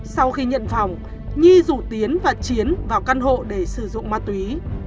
sau khi nhận phòng nhi rủ tiến và chiến vào căn hộ để sử dụng ma túy